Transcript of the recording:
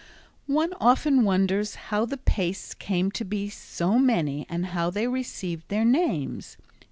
One often wonders how the pastes came to be so many and how they received their names.